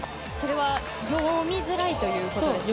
読みづらいということですか？